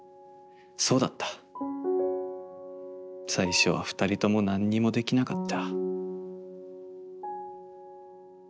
最初は二人ともなんにもできなかった』」。